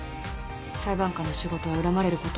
裁判官の仕事は恨まれることもある。